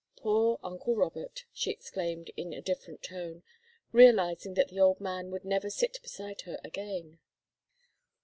Poor uncle Robert!" she exclaimed, in a different tone, realizing that the old man would never sit beside her again.